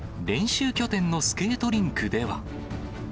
練習拠点のスケートリンクでは。